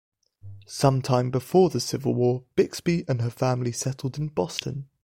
Some time before the Civil War, Bixby and her family settled in Boston.